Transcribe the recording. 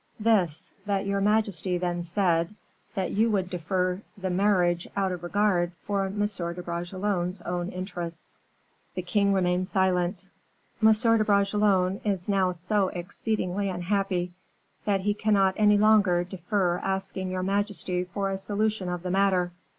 "This: that your majesty then said, 'that you would defer the marriage out of regard for M. de Bragelonne's own interests.'" The king remained silent. "M. de Bragelonne is now so exceedingly unhappy that he cannot any longer defer asking your majesty for a solution of the matter."